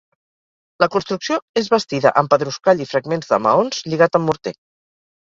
La construcció és bastida amb pedruscall i fragments de maons, lligat amb morter.